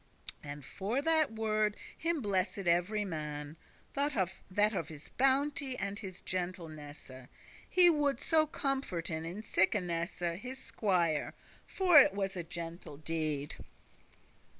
And for that word him blessed every man, That of his bounty and his gentleness He woulde so comforten in sickness His squier, for it was a gentle deed.